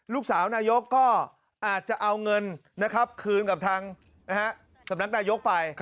ลูกสาวนายกก็อาจจะเอาเงินนะครับคืนกับทางสำนักนายกไป